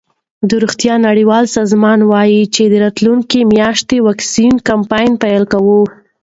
د روغتیا نړیوال سازمان وايي چې راتلونکې میاشت واکسین کمپاین پیلوي.